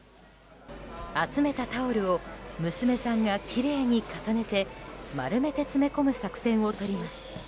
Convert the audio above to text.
集めたタオルを娘さんがきれいに重ねて丸めて詰め込む作戦をとります。